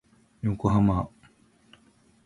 横浜